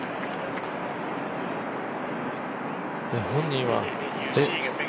本人はえ？